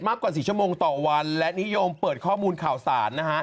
กว่า๔ชั่วโมงต่อวันและนิยมเปิดข้อมูลข่าวสารนะฮะ